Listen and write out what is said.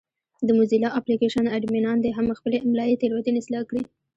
د موزیلا اپلېکشن اډمینان دې هم خپلې املایي تېروتنې اصلاح کړي.